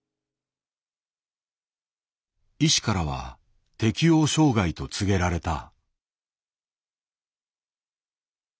医師からは適応障害と告げられた。